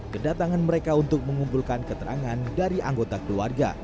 kedatangan mereka untuk mengumpulkan keterangan dari anggota keluarga